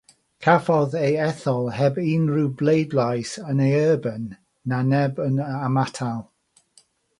Cafodd ei ethol heb unrhyw bleidlais yn ei erbyn na neb yn ymatal.